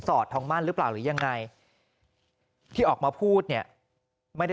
อดทองมั่นหรือเปล่าหรือยังไงที่ออกมาพูดเนี่ยไม่ได้